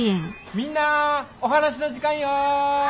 みんなお話の時間よ！